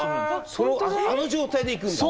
あの状態でいくんだ。